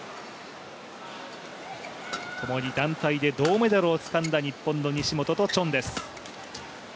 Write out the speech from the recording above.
ともに団体で銅メダルをつかんだ日本の西本とチョンです。